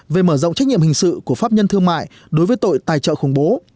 về mở rộng trách nhiệm hình sự của pháp nhân thương mại đối với tội tài trợ khủng bố